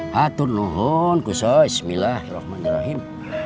hatunuhun kusoy bismillahirrahmanirrahim